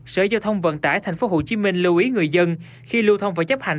sở giao thông vận tải tp hcm lưu ý người dân khi lưu thông phải chấp hành